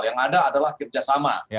yang ada adalah kerjasama